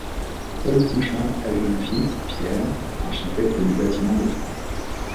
Paul Souchon a eu un fils, Pierre, architecte des bâtiments de France.